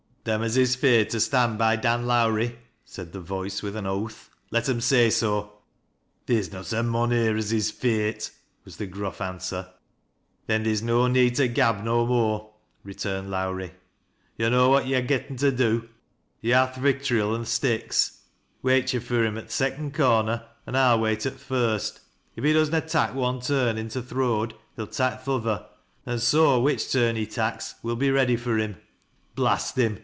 " Them as is feared to stand by Dan Lowrie," said tht voice, with an oath, " let 'em say so." " Theer's not a mon here as is feart," was the grufi answer. " Then theer's no need to gab no more," returned f»owrie. " Yo' know what yo' ha' getten to do. iV ha' th' vitriol an' th' sticks. "Wait yo' fur him at th' second corner an' I'll wait at th' fii st. If he does na tak' one turn into th' road he'll tak' th' other, an' so which turn he tak's wo'll be ready fur him. Blast him